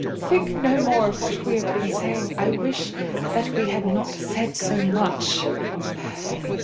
Think no more of what we have been saying: I wish that we had not said so much!